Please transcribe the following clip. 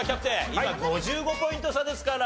今５５ポイント差ですから。